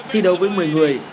thì đấu với một mươi người